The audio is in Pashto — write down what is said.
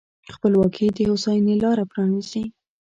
خپلواکي د هوساینې لاره پرانیزي.